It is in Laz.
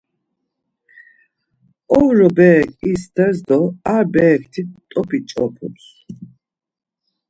Ovro berek isters do ar berekti top̌i ç̌opums.